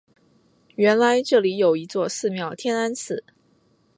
原来这里有一座寺庙天安寺。